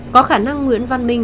có khả năng nguyễn văn minh